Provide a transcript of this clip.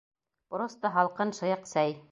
Просто һалҡын, шыйыҡ сәй.